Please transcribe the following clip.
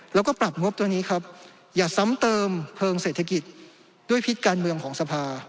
แล้วก็ปรับงบตัวนี้ครับอย่าซ้ำเติมเพลิงเศรษฐกิจด้วยพิษการเมืองของสภา